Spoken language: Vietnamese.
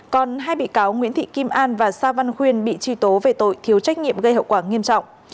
còn hai bị cáo nguyễn thị kim an và sa văn khuyên bị truy tố về tội thiếu trách nhiệm gây hậu quả nghiêm trọng